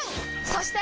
そして！